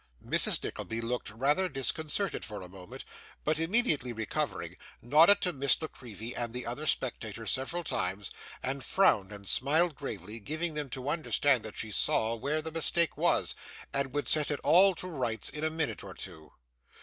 Mrs. Nickleby looked rather disconcerted for a moment, but immediately recovering, nodded to Miss La Creevy and the other spectators several times, and frowned, and smiled gravely, giving them to understand that she saw where the mistake was, and would set it all to rights in a minute or two.